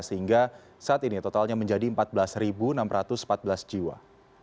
sehingga saat ini totalnya menjadi empat belas enam ratus empat belas jiwa